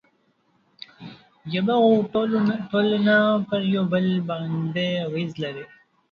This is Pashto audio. ژبه او ټولنه پر یو بل باندې اغېز لري.